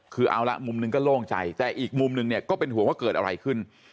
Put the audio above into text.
คือเอาละมุมหนึ่งก็โล่งใจแต่อีกมุมนึงเนี่ยก็เป็นห่วงว่าเกิดอะไรขึ้น